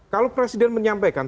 kalau presiden menyampaikan